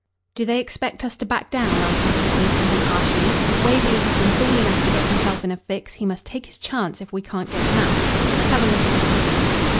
"Do they expect us to back down?" asked the superintendent harshly. "If Waverley has been fool enough to get himself in a fix, he must take his chance if we can't get him out. Let's have a look at this paper."